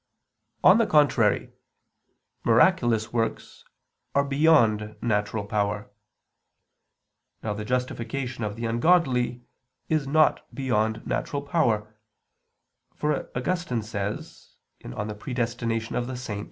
On the contrary, Miraculous works are beyond natural power. Now the justification of the ungodly is not beyond natural power; for Augustine says (De Praed. Sanct.